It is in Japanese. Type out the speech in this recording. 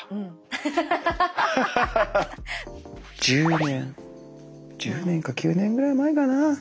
１０年１０年か９年ぐらい前かな？